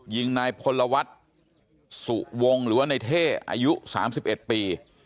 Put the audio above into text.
ยิงนายพลวัฒน์สุวงหรือว่าในเท่อายุ๓๑ปี